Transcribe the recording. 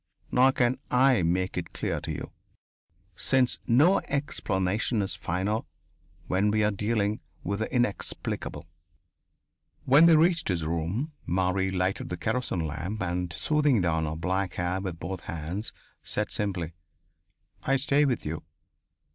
Nor can I make it clear to you, since no explanation is final when we are dealing with the inexplicable.... When they reached his room, Marie lighted the kerosene lamp and, smoothing down her black hair with both hands, said simply: "I stay with you."